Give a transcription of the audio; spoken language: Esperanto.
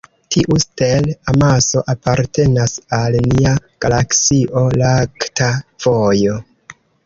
Tiu stel-amaso apartenas al nia galaksio lakta vojo.